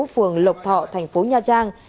phường lộc thọ thành phố nha trang